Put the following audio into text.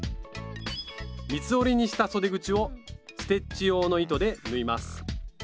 三つ折りにしたそで口をステッチ用の糸で縫います。